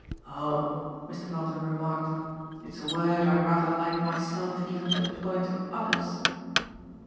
"Oh," Mr. Longdon remarked, "it's a word I rather like myself even to employ to others."